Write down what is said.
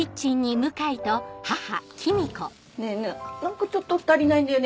ねぇねぇ何かちょっと足りないんだよね。